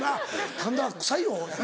「神田臭いよ」やろ？